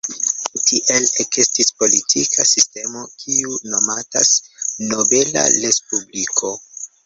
Tiel ekestis politika sistemo, kiu nomatas "nobela respubliko".